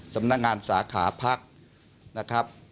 สำนักงานสาขาพักนะครับ